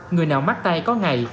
người nào mắc tay có ngày